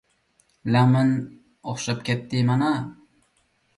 لەڭمەن ئوخشاپ كەتتى مانا.